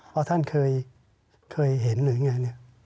เพราะท่านเคยเห็นหรือยังไง